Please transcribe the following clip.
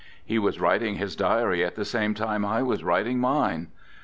He was writing his diary at the same time I was writing mine.